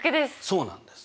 そうなんです。